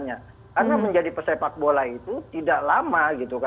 karena menjadi sepak bola itu tidak lama